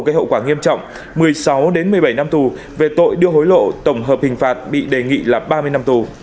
gây hậu quả nghiêm trọng một mươi sáu một mươi bảy năm tù về tội đưa hối lộ tổng hợp hình phạt bị đề nghị là ba mươi năm tù